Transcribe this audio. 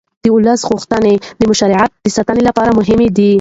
د ولس غوښتنې د مشروعیت د ساتنې لپاره مهمې دي